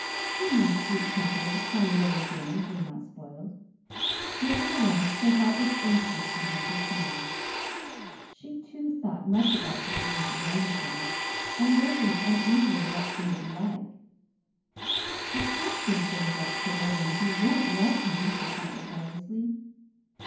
She knew sweet tempered, sunny, little Jims was not spoiled. Nevertheless her heart was anxious behind her smile. She, too, thought much about the new Mrs. Anderson and wondered uneasily what she would be like. "I can't give Jims up to a woman who won't love him," she thought rebelliously.